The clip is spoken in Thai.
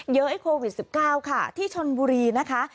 เยอะไอ้โควิดสิบเก้าค่ะที่ชนบุรีนะคะ